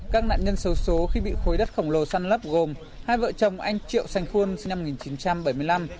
các nạn nhân xấu xố khi bị khối đất khổng lồ săn lấp gồm hai vợ chồng anh triệu sành khuôn sinh năm một nghìn chín trăm bảy mươi năm